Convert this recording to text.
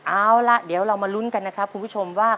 เอาล่ะเดี๋ยวเรามาลุ้นกันนะครับคุณผู้ชมว่า